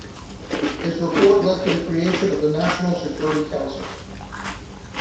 His Report led to the creation of the National Security Council.